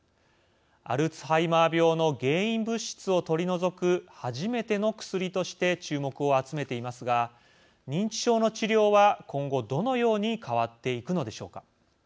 アルツハイマー病の原因物質を取り除く初めての薬として注目を集めていますが認知症の治療は今後どのように変わっていくのでしょうか。